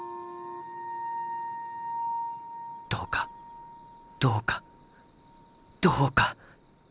どうかどうかどうか！